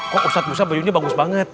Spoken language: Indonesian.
kok ustaz musa bajunya bagus banget